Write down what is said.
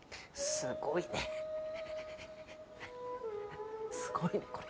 すごいねこれ。